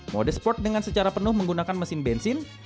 mode sport dengan secara penuh menggunakan mesin bensin